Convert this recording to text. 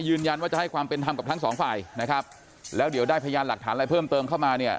ยืนยันว่าจะให้ความเป็นธรรมกับทั้งสองฝ่ายนะครับแล้วเดี๋ยวได้พยานหลักฐานอะไรเพิ่มเติมเข้ามาเนี่ย